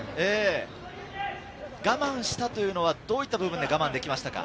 我慢したというのは、どういった部分で我慢できましたか？